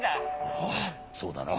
ああそうだな。